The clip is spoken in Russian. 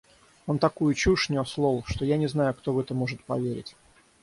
Он такую чушь нёс, лол, что я не знаю, кто в это может поверить.